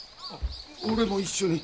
俺も一緒に。